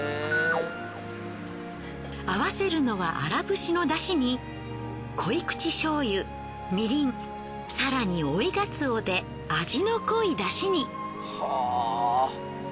合わせるのは荒節の出汁に濃口しょうゆみりん更に追いがつおで味の濃い出汁に。